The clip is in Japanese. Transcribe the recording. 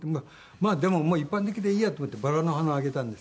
まあでも一般的でいいやと思ってバラの花あげたんです。